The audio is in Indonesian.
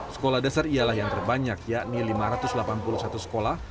sekolah dasar ialah yang terbanyak yakni lima ratus delapan puluh satu sekolah